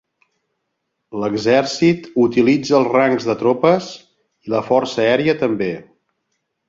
L'exèrcit utilitza els rangs de tropes, i la Força Aèria també.